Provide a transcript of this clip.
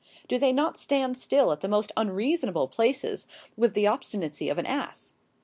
Do they not stand still at the most unreasonable places with the obstinacy of an ass?